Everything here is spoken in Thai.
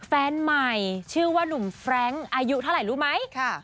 แฟนใหม่ชื่อว่านุ่มแฟรงค์อายุเท่าไหร่รู้ไหม